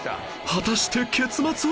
果たして結末は？